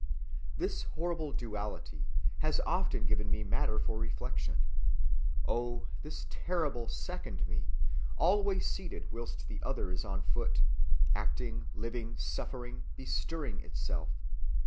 "This horrible duality has often given me matter for reflection. Oh, this terrible second me, always seated whilst the other is on foot, acting, living, suffering, bestirring itself.